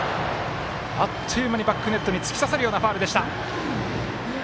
あっという間にバックネットに突き刺さるようなファウル。